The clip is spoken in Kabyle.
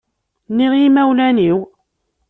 NniƔ i imawlan-iw.